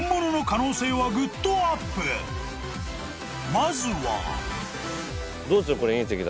［まずは］